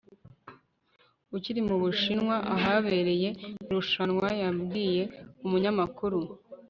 ukiri mu bushinwa ahabereye irushanwa yabwiye umunyamakuru